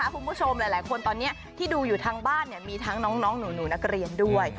คุณผู้ชมหลายคนตอนนี้ที่ดูอยู่ทางบ้านมีทั้งน้องหนูนักเรียนด้วย